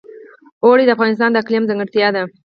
اوړي د افغانستان د اقلیم ځانګړتیا ده.